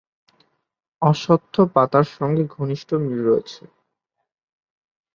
অশ্বত্থ পাতার সঙ্গে ঘনিষ্ঠ মিল রয়েছে।